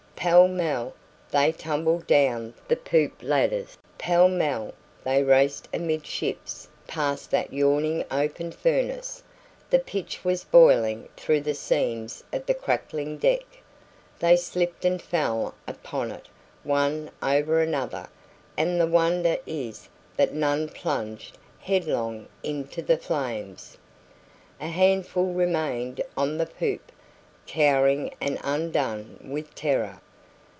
Pell mell they tumbled down the poop ladders; pell mell they raced amidships past that yawning open furnace; the pitch was boiling through the seams of the crackling deck; they slipped and fell upon it, one over another, and the wonder is that none plunged headlong into the flames. A handful remained on the poop, cowering and undone with terror.